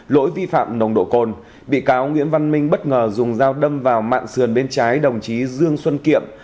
lỗi vi phạm nồng độ cồn bị cáo nguyễn văn minh bất ngờ dùng dao đâm vào mạng sườn bên trái đồng chí dương xuân kiệm